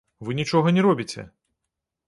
Вы нічога не робіце!